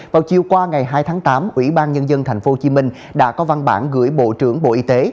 vào chiều qua ngày hai tháng tám ủy ban nhân dân thành phố hồ chí minh đã có văn bản gửi bộ trưởng bộ y tế